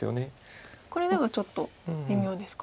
これではちょっと微妙ですか。